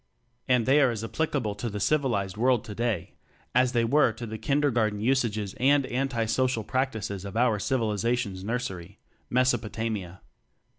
And they are as applicable to the "civilized" world today as they were to the kindergarten usages and anti social practices of our civilization's nursery Mesopotamia.